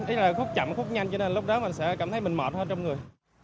tức là khúc chậm khúc nhanh cho nên lúc đó mình sẽ cảm thấy mình mệt hơn trong người